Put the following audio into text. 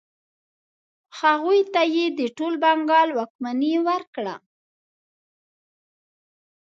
هغوی ته یې د ټول بنګال واکمني ورکړه.